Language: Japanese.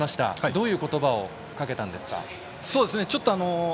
どういう言葉をかけたんですか。